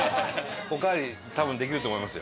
おかわり多分できると思いますよ。